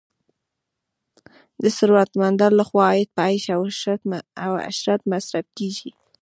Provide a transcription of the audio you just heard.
د ثروتمندو لخوا عاید په عیش او عشرت مصرف کیږي.